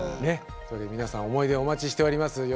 皆さん思い出をお待ちしております。